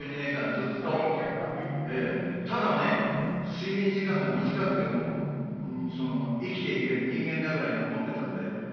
睡眠時間が短くても生きていける人間だぐらいに思ってたんで。